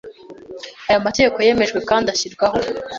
Aya mategeko yemejwe kandi ashyirwaho